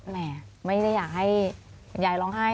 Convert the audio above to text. ไม่ได้อยากให้